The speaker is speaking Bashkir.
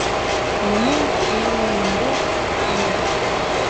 Минең килеүемде теләй.